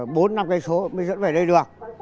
bốn năm km mới dẫn về đây được